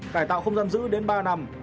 cải tạo không giam giữ đến ba năm